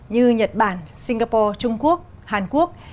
như nhật bản singapore trung quốc hàn quốc